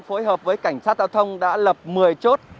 phối hợp với cảnh sát giao thông đã lập một mươi chốt